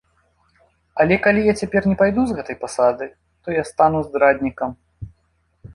Але калі я цяпер не пайду з гэтай пасады, то я стану здраднікам.